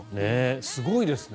すごいですね。